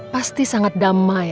pasti sangat damai